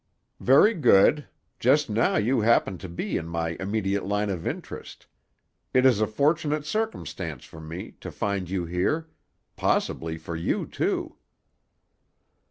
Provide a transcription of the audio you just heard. "Very good. Just now you happen to be in my immediate line of interest. It is a fortunate circumstance for me, to find you here; possibly for you, too."